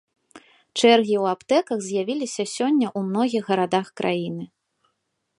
Чэргі ў аптэках з'явіліся сёння ў многіх гарадах краіны.